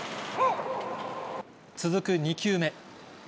続く２球目。